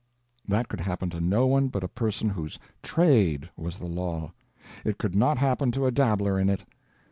That could happen to no one but a person whose trade was the law; it could not happen to a dabbler in it.